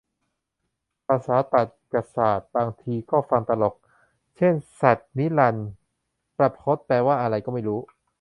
ภาษาตรรกศาสตร์บางทีก็ฟังตลก เช่นสัจนิรันดร์ ประพจน์ แปลว่าอะไรก็ไม่รู้